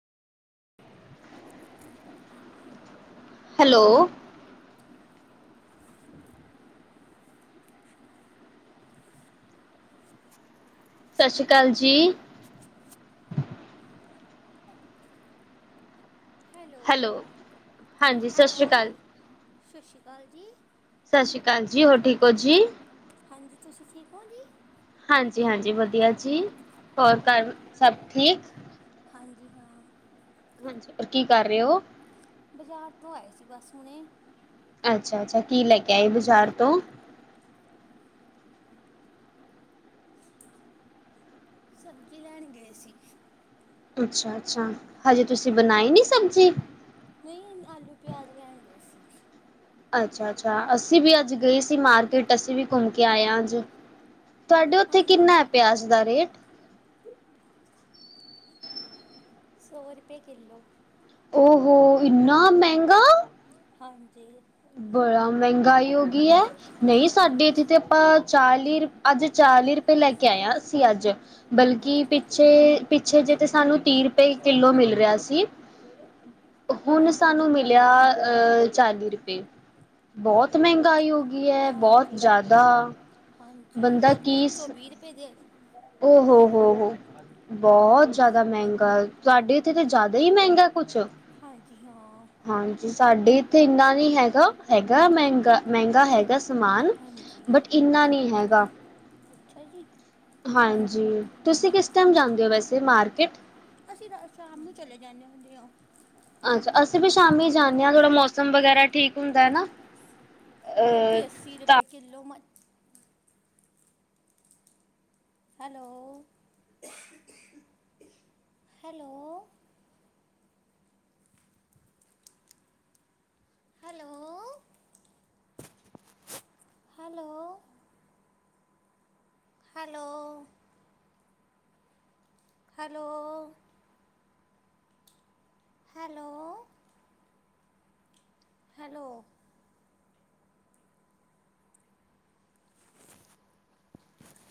[inaudible] Hello. [inaudible] ਸਸ ਸ਼੍ਰੀ ਕਾਲ ਜੀ। ਹੈਲੋ, ਹਾਂਜੀ ਸਤਿ ਸ਼੍ਰੀ ਅਕਾਲ ਹੈਲੋ, ਸਸ ਸ਼੍ਰੀ ਕਾਲ ਜੀ। ਸਸ ਸ਼੍ਰੀ ਕਾਲ ਜੀ, ਹੋਰ ਠੀਕ ਹੋ ਜੀ? ਹਾਂਜੀ ਤੁਸੀਂ ਠੀਕ ਹੋ ਜੀ? ਹਾਂਜੀ-ਹਾਂਜੀ ਵਧੀਆ ਜੀ। ਹੋਰ ਘਰ ਸਭ ਠੀਕ? ਹਾਂਜੀ ਹਾਂ। ਹਾਂਜੀ, ਕੀ ਕਰ ਰਹੇ ਓ? ਬਾਜ਼ਾਰ ਤੋਂ ਆਏ ਸੀ ਬਸ ਹੁਣੇ ਅੱਛਾ-ਅੱਛਾ। ਕੀ ਲੈ ਕੇ ਆਏ ਬਾਜ਼ਾਰ ਤੋਂ? ਸਬਜ਼ੀ ਲੈਣ ਗੇ ਸੀ। ਅੱਛਾ-ਅੱਛਾ। ਹਜੇ ਤੁਸੀਂ ਬਣਾਈ ਨੀ ਸਬਜ਼ੀ? ਨਈ, ਆਲੂ- ਪਿਆਜ਼ ਲੈਣ ਗਏ ਸੀ। ਅੱਛਾ-ਅੱਛਾ ਅਸੀਂ ਵੀ ਅੱਜ ਗਏ ਸੀ ਮਾਰਕੀਟ ਅਸੀਂ ਵੀ ਘੁੰਮ ਕੇ ਆਏ ਆ ਅੱਜ। ਤੁਆਡੇ ਉੱਥੇ ਆਲੂ ਕਿੰਨਾ ਹੈ ਪਿਆਜ ਦਾ ਰੇਟ? ਸੌ ਰੁਪਏ ਕਿੱਲੋ। ਓ ਹੋ ਇੰਨਾ ਮਹਿੰਗਾ? ਹਾਂਜੀ ਬੜੀ ਮਹਿੰਗਾਈ ਹੋ ਗਈ ਐ, ਨਈ ਸਾਡੇ ਹਾਂਜੀ ਇੱਥੇ ਤੇ ਅ ਚਾਲੀ ਅੱਜ ਚਾਲੀ ਰੁਪਏ ਲੈ ਕੇ ਆਇਆ ਅਸੀ ਅੱਜ। ਬਲਕਿ ਅੱਛਾ ਜੀ ਪਿੱਛੇ -ਪਿੱਛੇ ਜੇ ਤਾਂ ਸਾਨੂੰ ਤੀਹ ਰੁਪਏ ਕਿੱਲੋ ਮਿਲ ਰਿਹਾ ਸੀ। ਹੁਣ ਸਾਨੂੰ ਮਿਲਿਆ ਅਹ ਚਾਲੀ ਰੁਪਏ ਤੇ ਬੋਤ ਮਹਿੰਗਾਈ ਹੋ ਗਈ ਐ, ਬੋਤ ਹਾਂਜੀ ਜ਼ਿਆਦਾ। ਹਾਂਜੀ ਬੰਦਾ ਆਲੂ ਕੀ ਇੱਕ ਸੌ ਸ, ਵੀਹ ਰੁਪਏ ਦੇ ਓ ਹੋ ਕਿੱਲੋ ਹੋ ਹੋ ਬਹੁਤ ਜ਼ਿਆਦਾ ਮਹਿੰਗਾ ਤੁਹਾਡੇ ਇੱਥੇ ਤਾਂ ਜ਼ਿਆਦਾ ਹੀ ਮਹਿੰਗਾ ਕੁਛ ਹਾਂਜੀ ਹਾਂ। ਹਾਂਜੀ ਸਾਡੇ ਇੱਥੇ ਇੰਨਾ ਨੀ ਹੈਗਾ, ਹੈਗਾ ਮਹਿੰਗਾ- ਮਹਿੰਗਾ ਹੈਗਾ ਸਮਾਨ, ਹਾਂਜੀ ਬਟ ਇੰਨਾ ਨੀ ਅੱਛਾ ਜੀ। ਹਾਂਜੀ ਤੁਸੀਂ ਕਿਸ ਟਾਈਮ ਜਾਂਦੇ ਓ ਵੈਸੇ ਮਾਰਕੀਟ? ਅਸੀਂ ਸ਼ਾਮ ਨੂੰ ਚਲੇ ਜਾਂਦੇ ਹੁੰਦੇ ਆ। ਅੱਛਾ ਅਸੀਂ ਵੀ ਸ਼ਾਮੀ ਜਾਂਦੇ ਆ ਥੋੜਾ ਮੌਸਮ ਵਗੈਰਾ ਠੀਕ ਹੁੰਦਾ ਨਾ। ਗੋਭੀ ਅੱਸੀ ਅ ਰੁਪਏ ਕਿੱਲੋ ਮ hello hello hello hello hello hello hello hello